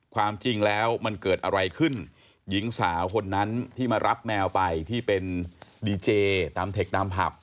ความจริงแล้วมันเกิดอะไรขึ้นหญิงสาวคนนั้นที่มารับแมวไปที่เป็นดีเจตามเทคตามผับ